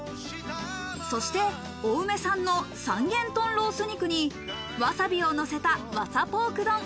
そして青梅産の三元豚ロース肉にわさびをのせた、わさポーク丼。